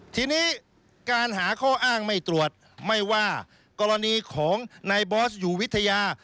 ทีนี้การหาข้ออ้างไม่ตรวจไม่ว่ากรณีของนายบอสอยู่วิทยา